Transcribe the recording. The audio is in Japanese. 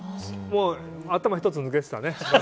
もう、頭一つ抜けてたね。